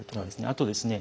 あとですね